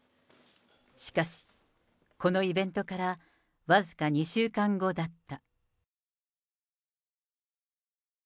しかし、このイベントから僅か２週間後だった。